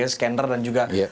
scanner dan juga laptop itu